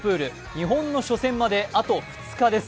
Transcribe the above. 日本の初戦まであと２日です。